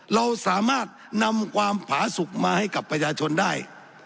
เราสามารถนำความผาสุขมาให้กับประชาชนได้